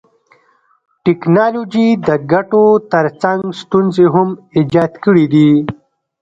ټکنالوژي د ګټو تر څنګ ستونزي هم ایجاد کړيدي.